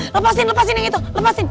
lepasin lepasin yang itu lepasin